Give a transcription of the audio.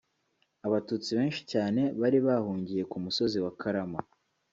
Abatutsi benshi cyane bari bahungiye ku musozi wa Karama